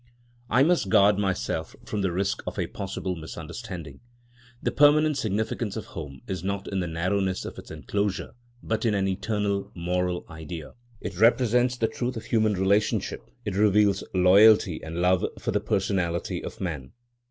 I must guard myself from the risk of a possible misunderstanding. The permanent significance of home is not in the narrowness of its enclosure, but in an eternal moral idea. It represents the truth of human relationship; it reveals loyalty and love for the personality of man.